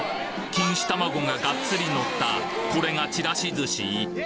錦糸卵がガッツリのったこれがちらし寿司！？